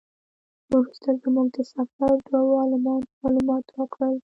وروسته زموږ د سفر دوو عالمانو معلومات راکړل.